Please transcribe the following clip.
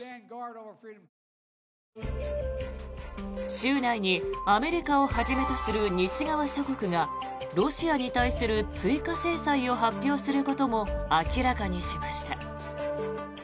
週内にアメリカをはじめとする西側諸国がロシアに対する追加制裁を発表することも明らかにしました。